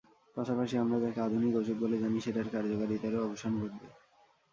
পাশাপাশি আমরা যাকে আধুনিক ওষুধ বলে জানি, সেটার কার্যকারিতারও অবসান ঘটবে।